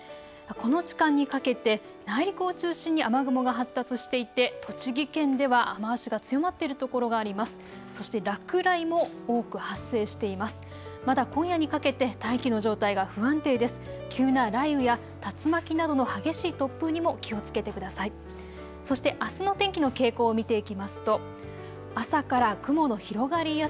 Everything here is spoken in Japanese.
この時間にかけて内陸を中心に雨雲が発達していて栃木県では雨足が強まっている所があります。